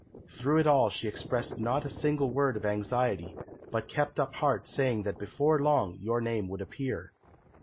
Through it all she expressed not a single word of anxiety, but kept up heart saying that before long your name would appear.